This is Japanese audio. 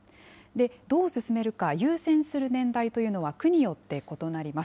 どう進めるか、優先する年代というのは区によって異なります。